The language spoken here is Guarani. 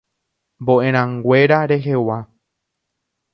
Mbo'erãnguéra rehegua.